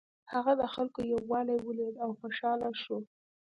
هغه د خلکو یووالی ولید او خوشحاله شو.